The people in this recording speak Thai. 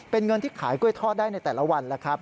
เป็นเงินที่ขายกล้วยทอดได้ในแต่ละวันแล้วครับ